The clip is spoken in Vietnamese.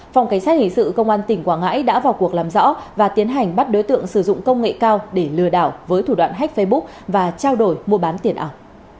phòng cảnh sát hình sự công an tỉnh quảng ngãi đã vào cuộc làm rõ và tiến hành bắt đối tượng sử dụng công nghệ cao để lừa đảo với thủ đoạn hách facebook và trao đổi mua bán tiền ảo